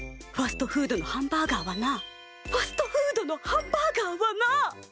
ファストフードのハンバーガーはなファストフードのハンバーガーはな。